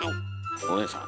おねえさん。